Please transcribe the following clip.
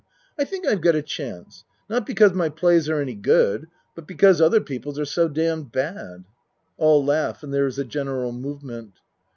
I think I've got a chance not because my plays are any good but because other people's are so damned bad. (All laugh and there is a general movement.)